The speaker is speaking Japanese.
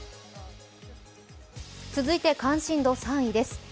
続いて関心度３位です。